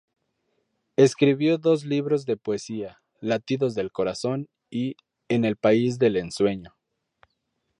Escribió dos libros de poesía: "Latidos del Corazón" y "En el País del Ensueño".